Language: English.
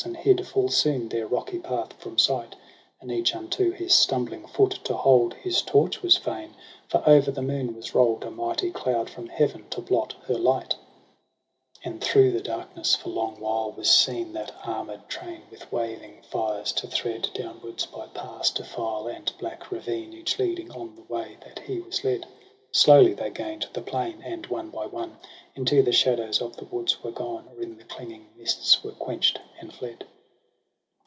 And hid fiill soon their rocky path from sight j And each unto his stumbling foot to hold His torch was fain, for o'er the moon was roU'd A mighty cloud from heaven, to blot her light APRIL 95 ■2.1 And thro' the darkness for long while was seen That armour'd train with waving fires to thread Downwards, by pass, defile, and black ravine, Each leading on the way that he was led. Slowly they gain'd the plain, and one by one Into the shadows of the woods were gone. Or in the clinging mists were quenched and fled.